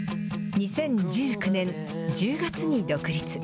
２０１９年１０月に独立。